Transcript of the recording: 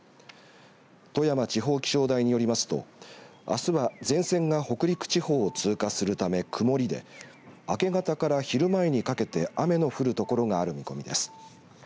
富山地方気象台によりますとあすは前線が北陸地方を通過するため曇りで、明け方から昼前にかけて雨の降る所がある見込みです。